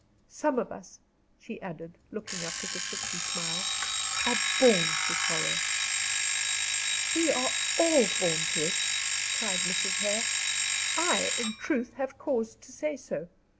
Some of us," she added, looking up, with a sickly smile, "are born to sorrow." "We are all born to it," cried Mrs. Hare. "I, in truth, have cause to say so.